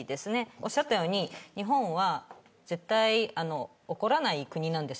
おっしゃったように、日本は絶対に怒らない国なんです。